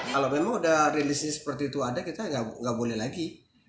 kalau memang sudah rilisnya seperti itu ada kita nggak boleh lagi